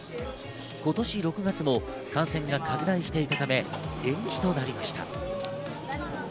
今年６月も感染が拡大していたため延期となりました。